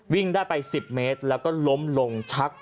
วิ่งได้ไป๑๐เมตรแล้วก็ล้มลงชัก